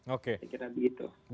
saya kira begitu